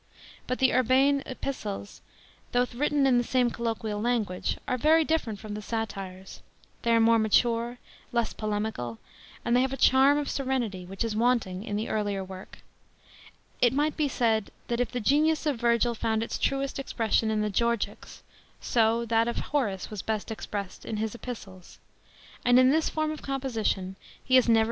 But the urbane kpistfes, though written in tie same colloquial language, are very different from the Satires ; they are more /nature, less polemical, and they have a charm of serenity which is wanting in the earlier work. It might be said, that if the genius of Virgil found its truest expression in the Georuics, so that of Horace was best expressed in his Epistles; and in this form of composition he has never been * Horace hims If does not use either epode or ode.